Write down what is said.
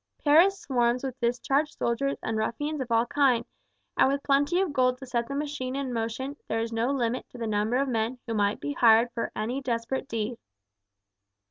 Paris swarms with discharged soldiers and ruffians of all kinds, and with plenty of gold to set the machine in motion there is no limit to the number of men who might be hired for any desperate deed."